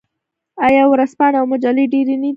آیا ورځپاڼې او مجلې ډیرې نه دي؟